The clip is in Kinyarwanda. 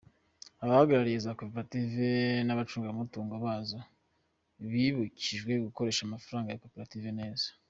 Abahagarariye za koperative n’abacungamutungo bazo bibukijwe gukoresha amafaranga ya koperative neza.